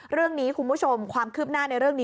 เรื่องนี้คุณผู้ชมความคืบหน้าในเรื่องนี้